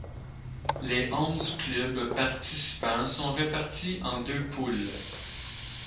Les onze clubs participants sont répartis en deux poules.